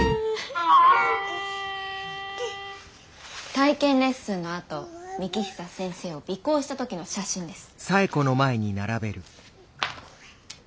体験レッスンのあと幹久先生を尾行した時の写真です。